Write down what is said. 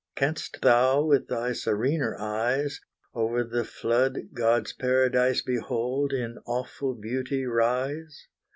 Canst thou, with thy serener eyes, Over the flood God's paradise, Behold in awful beauty rise?